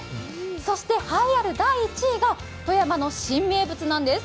そして栄えある第１位が富山の新名物なんです。